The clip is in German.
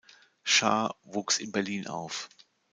Schaar wuchs in Berlin auf.